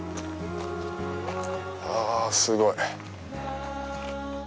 あ、すごい。